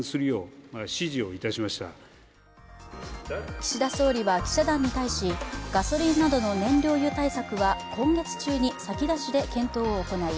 岸田総理は記者団に対しガソリンなどの燃料油対策は今月中に先出しで検討を行い